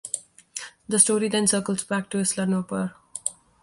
The story then circles back to Isla Nublar.